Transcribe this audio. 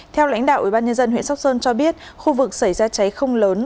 theo lãnh đạo ubnd huyện sóc sơn cho biết khu vực xảy ra cháy không lớn